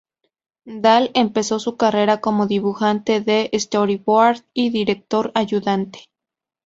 Dahl Empezó su carrera como dibujante de storyboard y director ayudante.